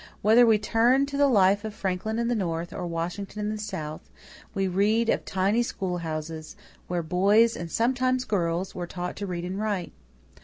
Whether we turn to the life of Franklin in the North or Washington in the South, we read of tiny schoolhouses, where boys, and sometimes girls, were taught to read and write.